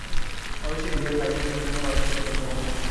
অবশ্যি বিয়ের লাইসেন্সের জন্যে দরখাস্ত করতে হবে।